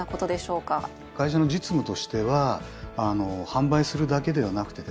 会社の実務としては販売するだけではなくてですね